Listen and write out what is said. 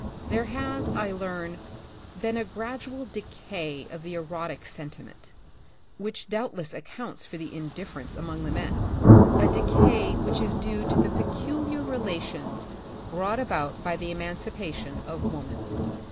There has, I learn, been a gradual decay of the erotic sentiment, which doubtless accounts for the indifference among the men ; a decay which is due to the peculiar relations brought about by the emancipation of woman.